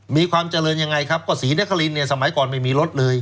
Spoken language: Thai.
มีความเจริญยังไงศรีนครีนรกษาสมัยก่อนไม่มีรถเลย